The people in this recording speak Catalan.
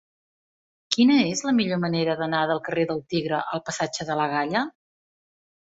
Quina és la millor manera d'anar del carrer del Tigre al passatge de la Galla?